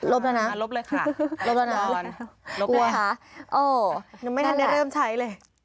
แล้วนะลบเลยค่ะลบแล้วนะลบเลยค่ะโอ้ยังไม่ทันได้เริ่มใช้เลย